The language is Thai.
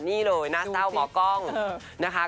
นี่เลยน่าเศร้าหมอกล้องนะคะ